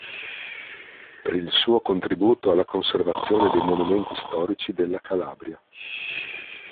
Per il suo contributo alla conservazione dei monumenti storici della Calabria.